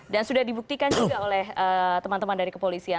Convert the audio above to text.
sudah dibuktikan juga oleh teman teman dari kepolisian